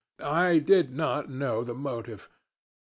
I did not know the motive.